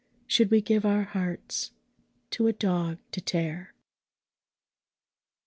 Should we give our hearts to a dog to tear?